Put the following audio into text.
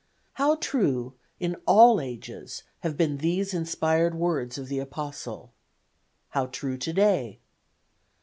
How true in all ages have been these inspired words of the Apostle! How true to day.